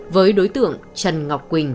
với đối tượng trần ngọc quỳnh